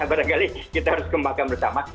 barangkali kita harus kembangkan bersama